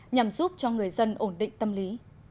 nhằm giúp cho người dân ổn định tâm lý